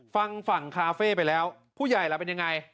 ฟังฝั่งคาเฟ่ไปแล้วผู้ใหญ่ล่ะเป็นยังไง